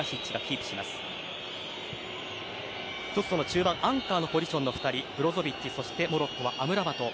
１つ、中盤アンカーのポジションの２人ブロゾヴィッチモロッコはアムラバト。